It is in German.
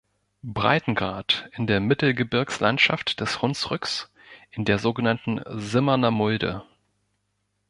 Breitengrad, in der Mittelgebirgslandschaft des Hunsrücks in der sogenannten Simmerner Mulde.